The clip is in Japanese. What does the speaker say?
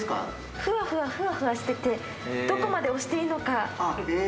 ふわふわ、ふわふわしてて、どこまで押していいのか。